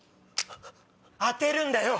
当てるんだよ。